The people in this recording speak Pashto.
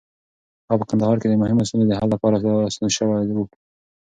هغه په کندهار کې د مهمو ستونزو د حل لپاره راستون شو.